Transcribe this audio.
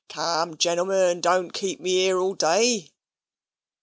Come, gentlemen, don't keep me here all day."